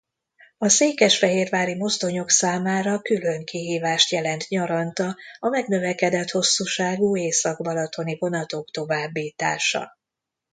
A székesfehérvári mozdonyok számára külön kihívást jelent nyaranta a megnövekedett hosszúságú Észak-balatoni vonatok továbbítása.